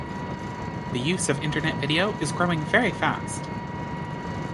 The use of Internet video is growing very fast.